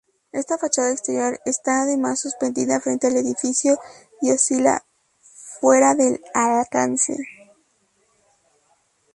Esta fachada exterior está además suspendida frente al edificio y oscila fuera de alcance.